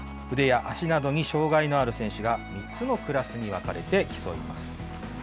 腕や足などに障害のある選手が、３つのクラスに分かれて競います。